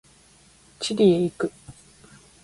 チリへ行く。